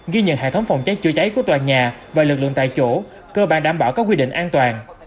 ghi nhận hệ thống phòng cháy chữa cháy của tòa nhà và lực lượng tại chỗ cơ bản đảm bảo các quy định an toàn